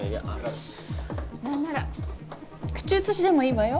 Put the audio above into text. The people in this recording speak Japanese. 何なら口移しでもいいわよ？